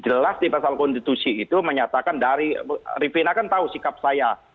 jelas di pasal konstitusi itu menyatakan dari rivina kan tahu sikap saya